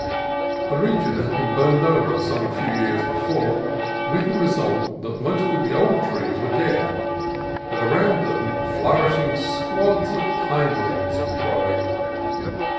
The region had been burned over some few years before, with the result that most of the old trees were dead, but around them flourish ing squads of pinelings were growing.